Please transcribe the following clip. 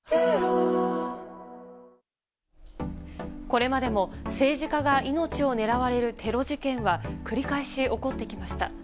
これまでも政治家が命を狙われるテロ事件は繰り返し起こってきました。